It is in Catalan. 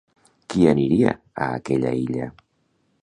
Qui aniria a aquella illa?